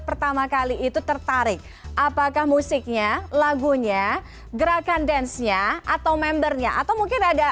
pertama kali itu tertarik apakah musiknya lagunya gerakan dance nya atau membernya atau mungkin ada